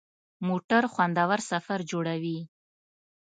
موټر خوندور سفر جوړوي.